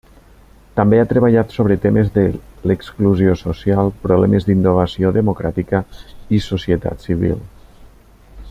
També ha treballat sobre temes de l'exclusió social, problemes d'innovació democràtica i societat civil.